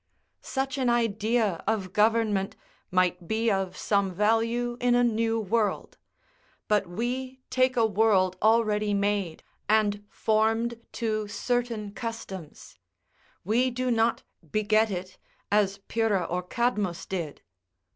Such an idea of government might be of some value in a new world; but we take a world already made, and formed to certain customs; we do not beget it, as Pyrrha or Cadmus did.